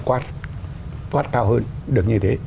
nó có thể qua cao hơn được như thế